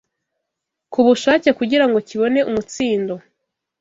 ku bushake kugira ngo kibone umutsindo